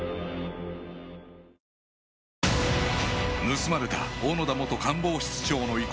盗まれた小野田元官房室長の遺骨